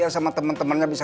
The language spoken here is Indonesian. yang mana kemana aja